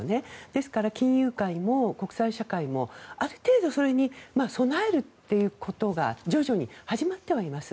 ですから金融界も国際社会もある程度それに備えるということが徐々に始まってはいます。